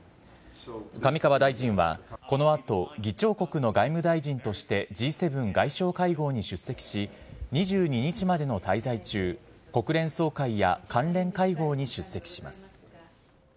上川大臣は、このあと、議長国の外務大臣としてＧ７外相会合に出席し、２２日までの滞在中、国連総会や関連会合に出席します。